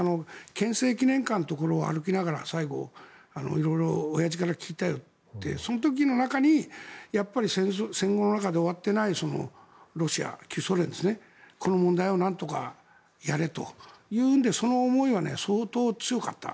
憲政記念館のところを歩きながら最後、色々おやじから聞いたよってその時の中に戦後の中で終わっていないロシア、旧ソ連ですねこの問題をなんとかやれというのでその思いは相当強かった。